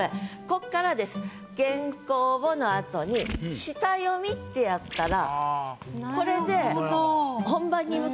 こっからです「原稿を」の後に「下読み」ってやったらこれで。